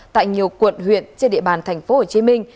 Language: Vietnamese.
tại nhiều quận huyện trên địa bàn tp hcm